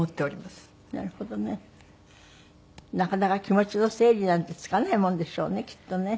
なかなか気持ちの整理なんてつかないもんでしょうねきっとね。